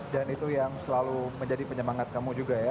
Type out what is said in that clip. dan itu yang selalu menjadi penyemangat kamu juga ya